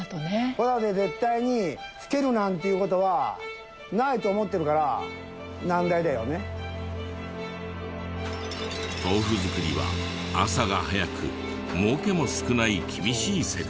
これはね絶対につけるなんていう事はないと思ってるから豆腐作りは朝が早く儲けも少ない厳しい世界。